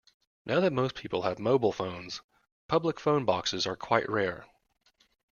Now that most people have mobile phones, public phone boxes are quite rare